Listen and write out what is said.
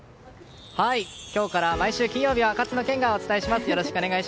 今日から毎週金曜日は勝野健がお伝えします。